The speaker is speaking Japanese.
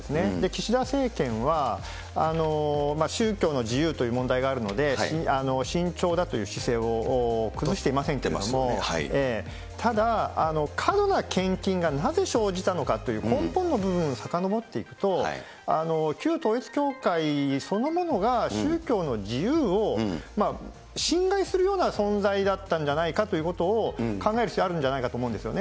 岸田政権は、宗教の自由という問題があるので、慎重だという姿勢を崩していませんけれども、ただ、過度な献金がなぜ生じたのかという根本の部分をさかのぼっていくと、旧統一教会そのものが宗教の自由を侵害するような存在だったんじゃないかということを考える必要、あるんじゃないかと思うんですよ